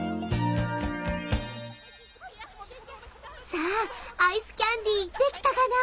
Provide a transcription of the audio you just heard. さあアイスキャンデーできたかな？